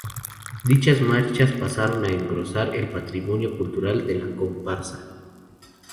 Dichas marchas pasaron a engrosar el patrimonio cultural de la comparsa.